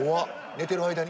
寝てる間に？